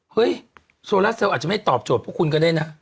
เฮ้ยโซลาเซลลอาจจะไม่ตอบโจทย์พวกคุณก็ได้นะ